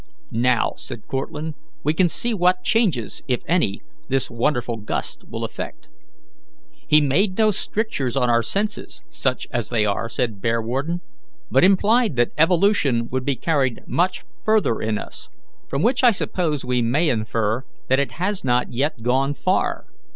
"Now," said Cortlandt, "we can see what changes, if any, this wonderful gust will effect." "He made no strictures on our senses, such as they are," said Bearwarden, "but implied that evolution would be carried much further in us, from which I suppose we may infer that it has not yet gone far.